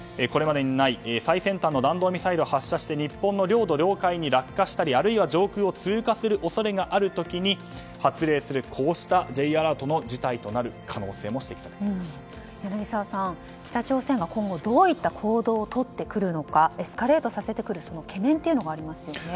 これまでにない最先端の弾道ミサイルを発射して日本の領土・領海に落下したりあるいは上空を通過する恐れがある時に発令するＪアラートが鳴る事態となることも柳澤さん、北朝鮮が今後どういった行動をとってくるかエスカレートしてくる懸念というのもありますよね。